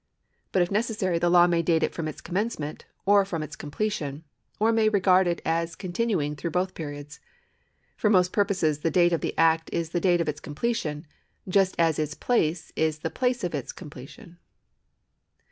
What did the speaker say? But if necessary the law may date it from its commencement, or from its com])lelion, or may regard it as continuing through both periods. For most purposes the date of an act is the date of its completion, just as its place is the place of its com pletion.